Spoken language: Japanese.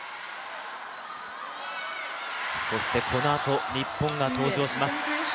そして、このあと日本が登場します。